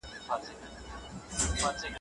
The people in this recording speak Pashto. پښتو ویاړ ساتي.